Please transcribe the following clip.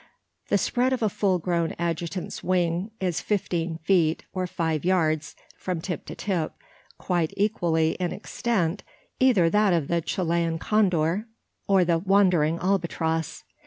The spread of a full grown adjutant's wing is fifteen feet, or five yards, from tip to tip quite equalling in extent either that of the Chilian condor or the "wandering" albatross.